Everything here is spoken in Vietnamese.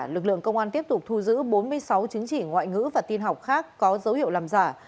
lực lượng công an tiếp tục thu giữ bốn mươi sáu chứng chỉ ngoại ngữ và tin học khác có dấu hiệu làm giả